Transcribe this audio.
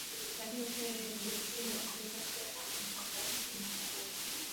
lakini pia yeye ndiye msingi wa kuleta furaha na Amani kwenye jamii kwa kuwa